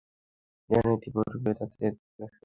যেন ইতিপূর্বে তাতে কোন বসবাসকারী ছিল না।